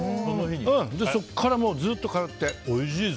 そこからずっと通って。